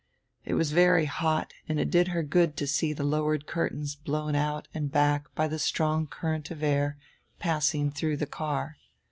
It was very hot and it did her good to see the lowered curtains blown out and back by the strong current of air passing through the car.